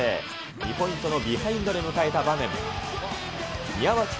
２ポイントのビハインドで迎えた場面。